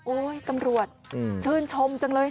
โอ๊ยกำรวจชื่นชมจังเลย